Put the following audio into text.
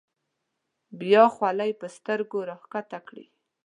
بیا خولۍ په سترګو راښکته کړي.